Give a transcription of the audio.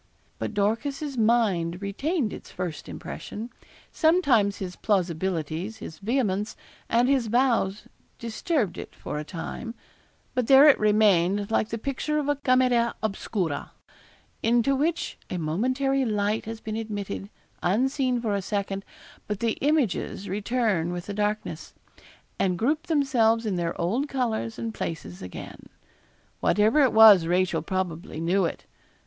But Dorcas's mind retained its first impression. Sometimes his plausibilities, his vehemence, and his vows disturbed it for a time; but there it remained like the picture of a camera obscura, into which a momentary light has been admitted, unseen for a second, but the images return with the darkness, and group themselves in their old colours and places again. Whatever it was Rachel probably knew it.